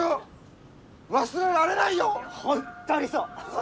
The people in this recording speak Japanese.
本当にそう！